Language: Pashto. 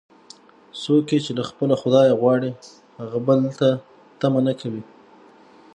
څوک یې چې له خپله خدایه غواړي، هغه بل ته طمعه نه کوي.